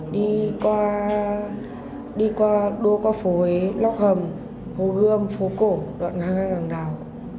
đi qua đi qua đua qua phố huế lóc hầm hồ gươm phố cổ đoạn hai mươi hai đằng đào